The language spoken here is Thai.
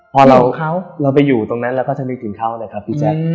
พอเราไปอยู่ตรงนั้นเราก็จะนึกถึงเขานะครับพี่แจ๊ค